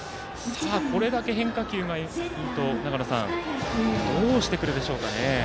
これだけ変化球がいいとどうしてくるでしょうかね。